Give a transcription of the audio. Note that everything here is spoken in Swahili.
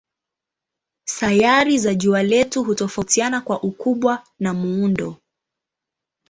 Sayari za jua letu hutofautiana kwa ukubwa na muundo.